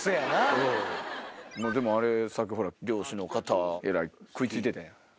でもさっき漁師の方えらい食い付いてたやん。